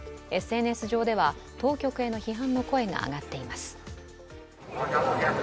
ＳＮＳ上では、当局への批判の声が上がっています。